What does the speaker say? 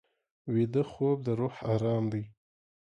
ویده خوب د روح ارام دی